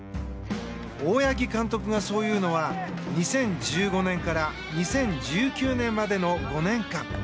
大八木監督がそう言うのは２０１５年から２０１９年までの５年間。